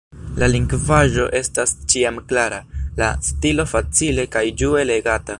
La lingvaĵo estas ĉiam klara, la stilo facile kaj ĝue legata.